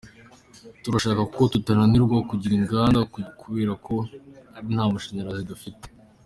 Turashaka ko tutananirwa kugira inganda kubera ko ari nta mashanyarazi dufite.